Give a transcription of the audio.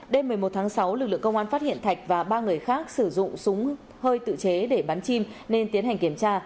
đêm một mươi một tháng sáu lực lượng công an phát hiện thạch và ba người khác sử dụng súng hơi tự chế để bắn chim nên tiến hành kiểm tra